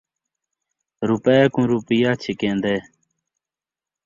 روپئے کوں روپیہ چھکین٘دے